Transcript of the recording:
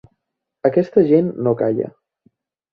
Aquesta gent no calla.